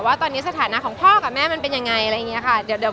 ว่าตอนนี้สถานะของพ่อกับแม่มันเป็นยังไง